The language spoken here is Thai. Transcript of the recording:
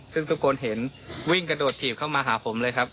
ซึ่งทุกคนเห็นวิ่งกระโดดถีบเข้ามาหาผมเลยครับ